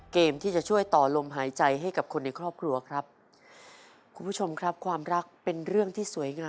เกมที่จะช่วยต่อลมหายใจให้กับคนอื่น